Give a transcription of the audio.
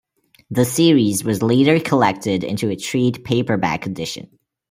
The series was later collected into a trade paperback edition.